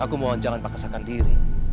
aku mohon jangan paksakan diri